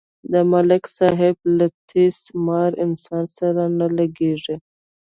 د ملک صاحب له تیس مار انسان سره نه لگېږي.